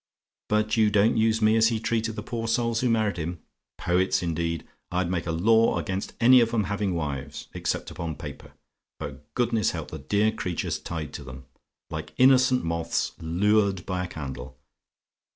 But you don't use me as he treated the poor souls who married him. Poets, indeed! I'd make a law against any of 'em having wives, except upon paper; for goodness help the dear creatures tied to them! Like innocent moths lured by a candle!